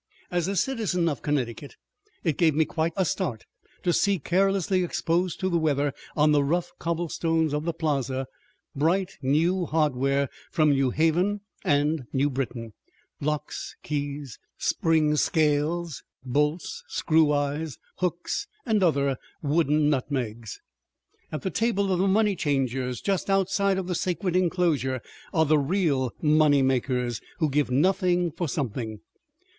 As a citizen of Connecticut it gave me quite a start to see, carelessly exposed to the weather on the rough cobblestones of the plaza, bright new hardware from New Haven and New Britain locks, keys, spring scales, bolts, screw eyes, hooks, and other "wooden nutmegs." At the tables of the "money changers," just outside of the sacred enclosure, are the real moneymakers, who give nothing for something.